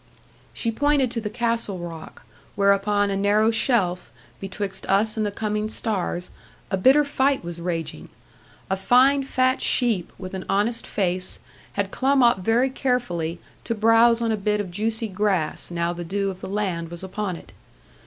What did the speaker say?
She pointed to the castle rock, where upon a narrow shelf, betwixt us and the coming stars, a bitter fight was raging. A fine fat sheep, with an honest face, had clomb up very carefully to browse on a bit of juicy grass, now the dew of the land was upon it.